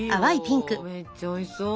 めっちゃおいしそう！